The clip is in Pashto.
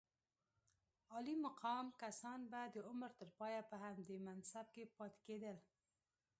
عالي مقام کسان به د عمر تر پایه په همدې منصب کې پاتې کېدل.